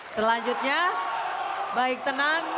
selanjutnya baik tenang